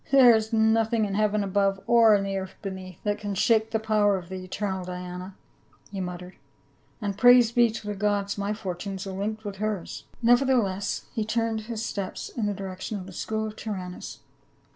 " There is nothing in heaven above or in the earth beneath that can shake the power of the eternal Diana," he muttered, "and praise be to the gods, my fortunes are linked with hers !" Nevertheless he turned his steps in the direction of the school of Tyrannus.